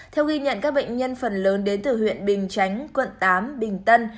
theo ghi nhận các bệnh nhân phần lớn đến từ huyện bình chánh quận tám bình tân